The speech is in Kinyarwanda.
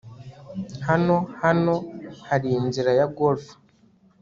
hano hano hari inzira ya golf